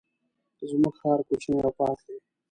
زمونږ ښار کوچنی او پاک دی.